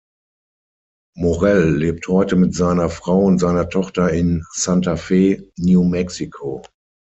Morrell lebt heute mit seiner Frau und seiner Tochter in Santa Fe, New Mexico.